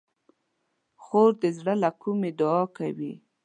خور د زړه له کومي دعا کوي.